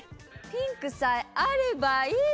ピンクさえあればいい！